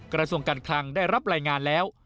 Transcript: กระทรวงการคลังได้รับรายงานแล้ว